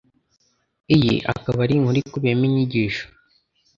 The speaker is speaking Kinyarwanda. Iyi ikaba ari inkuru ikubiyemo inyigisho